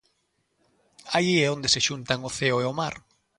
Aí é onde se xuntan o ceo e o mar.